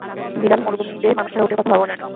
বিরান মরুভূমিতে মানুষ ছাড়া উটের কথা ভাবাও যায় না।